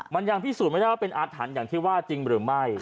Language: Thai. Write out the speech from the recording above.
มันยังพิสูจน์ไม่ได้ว่าเป็นอาถรรพ์อย่างที่ว่าจริงหรือไม่